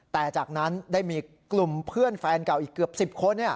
แต่จากนั้นได้มีกลุ่มเพื่อนแฟนเก่าอีกเกือบ๑๐คน